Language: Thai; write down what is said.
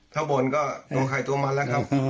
ถ้าบ่นก็ตัวไข่ตัวมันแล้วครับ